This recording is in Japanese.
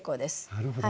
なるほど。